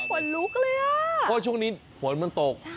หวนลุกเลยอ่ะเพราะช่วงนี้หวนมันตก